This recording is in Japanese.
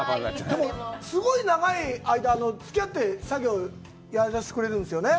でも、すごい長い間、つき合って作業をやらせてくれるんですよね？